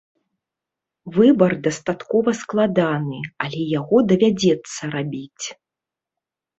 Выбар дастаткова складаны, але яго давядзецца рабіць.